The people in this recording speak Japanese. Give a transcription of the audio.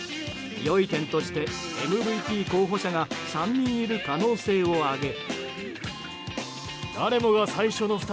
良い点としてＭＶＰ候補者が３人いる可能性を挙げ。